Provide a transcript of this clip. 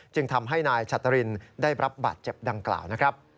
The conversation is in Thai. จึงทำให้นายชัตรินได้รับบาดเจ็บดังกล่าวนะครับ